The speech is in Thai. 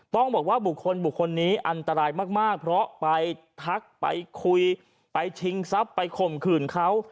ต้องบอกว่าบุคคลบุคคลนี้อันตรายมากเพราะไปทักไปคุยไปชิงทรัพย์ไปข่มขืนเขา